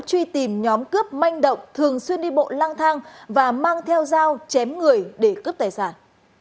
truy tìm nhóm cướp manh động thường xuyên đi bộ lang thang và mang theo dao chém người để cướp tài sản